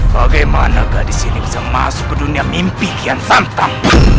bagaimana gadis ini bisa masuk ke dunia mimpi kian tantang